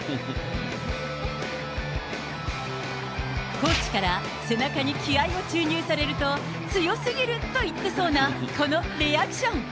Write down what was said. コーチから背中に気合いを注入されると、強すぎると言ってそうな、このリアクション。